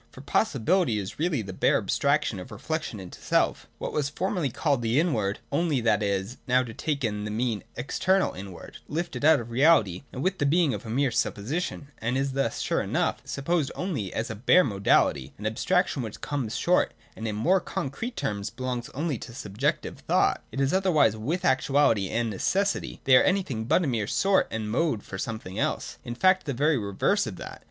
For Possi bility is really the bare abstraction of reflection into self, — what was formerly called the Inward, only that it is now taken to mean the external inward, lifted out of reality and with the being of a mere supposition, and is thus, sure enough, supposed only as a bare modality, an abstraction which comes short, and, in more con crete terms, belongs only to subjective thought. It is otherwise with Actuality and Necessity. They are anything but a mere sort and mode for something else : in fact the very reverse of that.